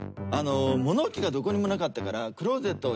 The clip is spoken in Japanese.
物置がどこにもなかったからクローゼット。